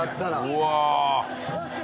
うわ！